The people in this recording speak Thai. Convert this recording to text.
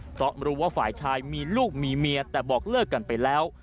เพราะรู้ว่าฝ่ายชายมีลูกมีเมียแต่บอกเลิกกันไปแล้ว